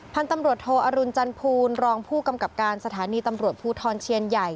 พันธุ์ตำรวจโทอรุณจันทูลรองผู้กำกับการสถานีตำรวจภูทรเชียนใหญ่